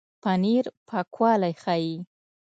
پنېر پاکوالی ښيي.